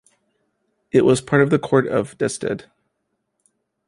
It was part of the court of Destedt.